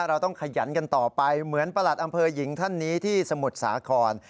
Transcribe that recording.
เราต้องขยันกันต่อไปเหมือนประหลัดอำเภอหญิงท่านนี้ที่สมุทรสาคร